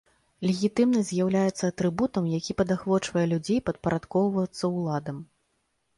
Легітымнасць з'яўляецца атрыбутам, які падахвочвае людзей падпарадкоўвацца ўладам.